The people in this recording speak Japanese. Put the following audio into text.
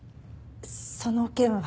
その件は。